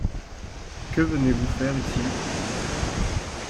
Que venez-vous faire ici?